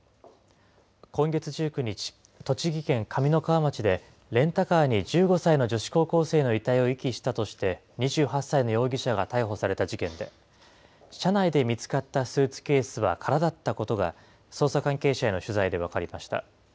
今月１９日、栃木県上三川町で、レンタカーに１５歳の女子高校生の遺体を遺棄したとして、２８歳の容疑者が逮捕された事件で、車内で見つかったスーツケースは空だったことが、捜査関係者への取材で分かりました。